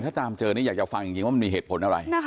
ถ้าตามเจอนี่อยากจะฟังจริงว่ามันมีเหตุผลอะไร